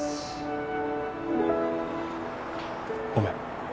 ごめん。